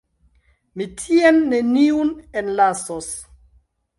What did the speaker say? Mi tien neniun enlasos.